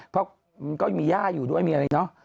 เขามีย่าอยู่ด้วยมีอะไรน้อย